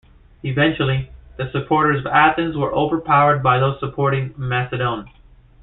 Eventually, the supporters of Athens were overpowered by those supporting Macedon.